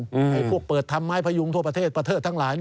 ไอ้พวกเปิดทำไม้พยุงทั่วประเทศประเทศทั้งหลาย